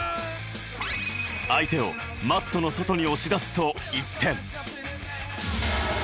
相手をマットの外に押し出すと１点。